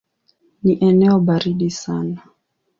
Ni eneo baridi sana.